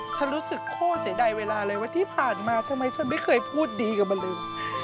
ฉันรู้สึกโค้เสียดายเวลาเลยว่าที่ผ่านมาทำไมฉันไม่เคยพูดดีกับมันเลย